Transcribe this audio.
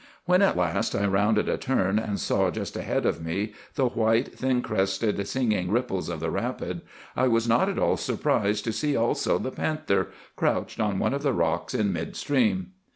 When at last I rounded a turn, and saw just ahead of me the white, thin crested, singing ripples of the rapid, I was not at all surprised to see also the panther, crouched on one of the rocks in mid stream.